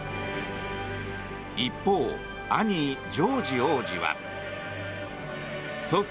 一方、兄ジョージ王子は祖父